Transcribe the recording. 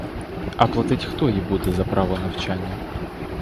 А платить хто їм буде за право навчання?